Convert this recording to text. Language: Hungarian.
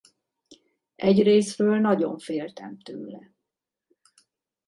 Egyrészről nagyon féltem tőle.